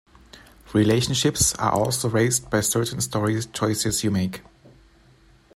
Relationships are also raised by certain story choices you make.